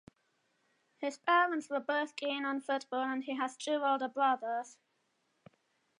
His parents were both keen on football and he has two older brothers.